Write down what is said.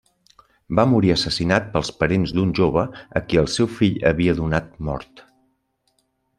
Va morir assassinat pels parents d'un jove a qui el seu fill havia donat mort.